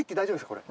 これ。